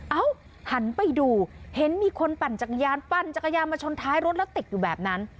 หันไปดูเห็นมีคนปั่นจักรยานปั่นจักรยานมาชนท้ายรถแล้วติดอยู่แบบนั้น